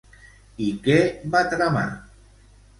I què va tramar?